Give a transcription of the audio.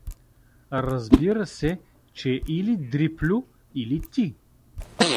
Разбира се, че или Дрипльо, или… ти!